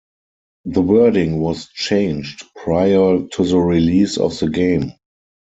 The wording was changed prior to the release of the game.